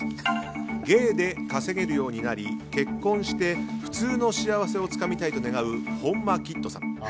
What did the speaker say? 芸で稼げるようになり、結婚して普通の幸せをつかみたいと願う本間キッドさん。